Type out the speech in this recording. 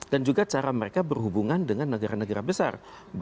dan juga cara mereka berhubungan dengan negara negara besar